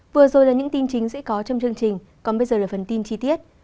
vừa rồi là những tin chính sẽ có trong chương trình còn bây giờ là phần tin chi tiết